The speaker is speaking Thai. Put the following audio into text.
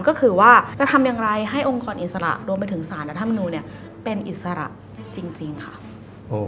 ก็คือว่าจะทำอย่างไรให้องค์กรอิสระรวมไปถึงสารรัฐมนูลเนี่ยเป็นอิสระจริงค่ะ